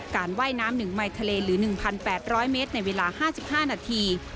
ว่ายน้ำ๑ไมค์ทะเลหรือ๑๘๐๐เมตรในเวลา๕๕นาที